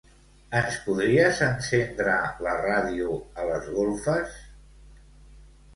Ens podries encendre la ràdio a les golfes?